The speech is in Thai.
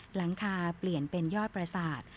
หลังคาเปลี่ยนเป็นยอดประสาท